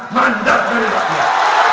mandat dari rakyat